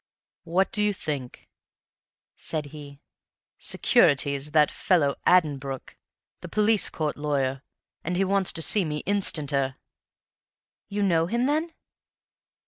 "What do you think?" said he. "Security's that fellow Addenbrooke, the police court lawyer, and he wants to see me INSTANTER!" "Do you know him, then?"